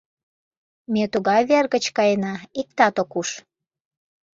— Ме тугай вер гыч каена, иктат ок уж.